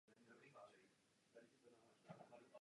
Rozhledna je volně přístupná celoročně a bez poplatku.